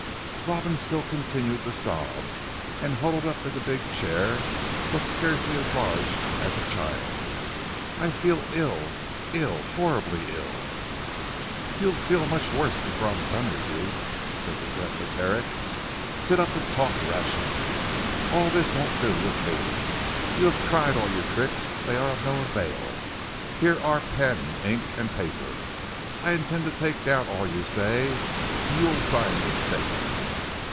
Robin still continued to sob, and huddled up in the big chair looked scarcely as large as a child. "I feel ill ill horribly ill." "You'll feel much worse before I've done with you," said the relentless Herrick, "sit up and talk rationally. All this won't do with me. You have tried all your tricks, they are of no avail. Here are pen ink and paper. I intend to take down all you say, and you will sign the statement."